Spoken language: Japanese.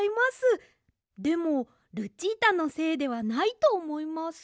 でもルチータのせいではないとおもいます。